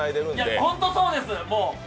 本当そうです